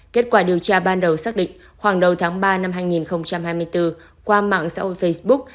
kết quả điều tra ban đầu xác định khoảng đầu tháng ba năm hai nghìn hai mươi bốn qua mạng xã hội facebook